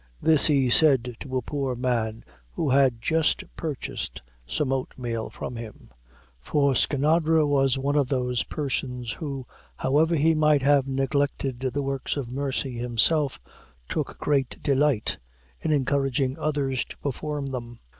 This he said to a poor man who had just purchased some oat meal from him; for Skinadre was one of those persons who, however he might have neglected works of mercy himself, took great delight in encouraging others to perform them.